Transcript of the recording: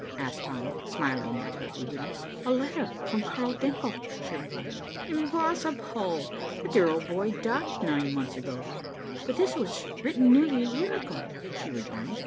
asked Tom, smiling at her eagerness. "A letter from Carl Denckel," she replied. "Impossible!" cried Tom. "The dear old boy died nine months ago." "But this was written nearly a year ago," she rejoined.